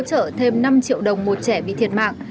hỗ trợ thêm năm triệu đồng một trẻ bị thiệt mạng